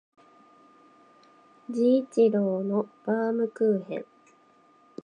治一郎のバームクーヘン